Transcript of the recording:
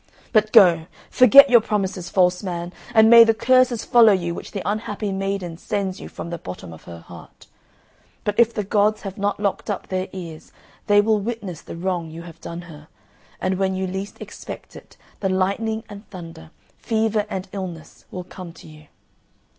But go, forget your promises, false man. And may the curses follow you which the unhappy maiden sends you from the bottom of her heart. But if the gods have not locked up their ears they will witness the wrong you have done her, and when you least expect it the lightning and thunder, fever and illness, will come to you.